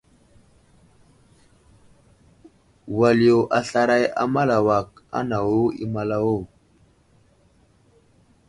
Wal yo aslaray a malawak anawo i malawo.